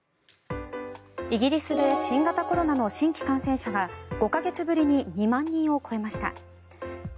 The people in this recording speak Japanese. イギリスで新型コロナの新規感染者が５か月ぶりに２万人を超えました。